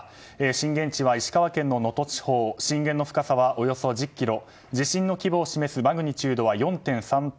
震源地は石川県の能登地方震源の深さはおよそ１０ｋｍ地震の規模を示すマグニチュードは４．３と